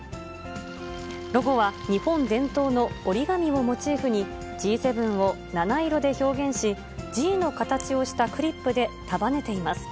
ロゴは、日本伝統の折り紙をモチーフに、Ｇ７を７色で表現し、Ｇの形をしたクリップで束ねています。